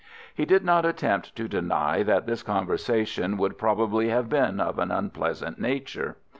He did not attempt to deny that this conversation would probably have been of an unpleasant nature.